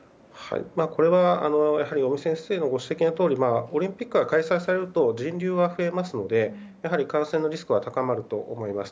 これは尾身先生のご指摘のとおりオリンピックが開催されると人流は増えますのでやはり感染のリスクは高まると思います。